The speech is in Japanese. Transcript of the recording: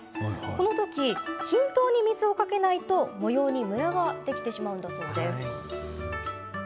この時、均等に水をかけないと模様にムラができてしまうのだそうです。